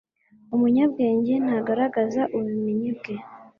Umunyabwenge ntagaragaza ubumenyi bwe